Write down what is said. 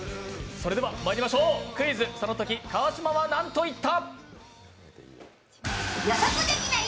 それではまいりましょう、「クイズ！そのとき川島はなんと言った？」。